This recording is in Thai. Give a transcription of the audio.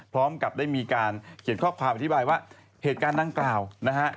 พร้อมกับได้มีการเขียนข้อความอธิบายว่าเหตุการณ์ดังกล่าวนะฮะ